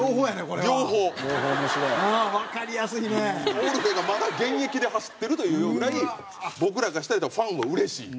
オルフェがまだ現役で走ってるというぐらい僕らからしたらファンはうれしいっていう。